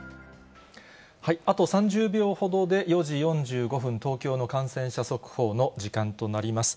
あと３０秒ほどで、４時４５分、東京の感染者速報の時間となります。